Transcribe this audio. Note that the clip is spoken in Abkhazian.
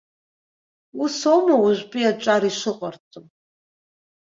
Усоума уажәтәи аҿар ишыҟарҵо?